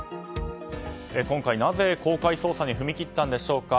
今回、なぜ公開捜査に踏み切ったんでしょうか。